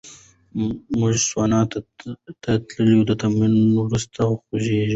موږ سونا ته تلل د تمرین وروسته خوښوو.